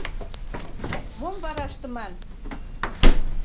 Мом вара ыштыман?